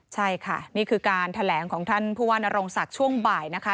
ใช่ค่ะนี่คือการแถลงของท่านผู้ว่านโรงศักดิ์ช่วงบ่ายนะคะ